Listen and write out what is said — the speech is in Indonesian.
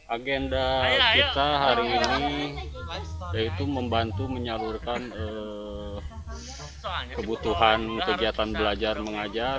agenda kita hari ini yaitu membantu menyalurkan kebutuhan kegiatan belajar mengajar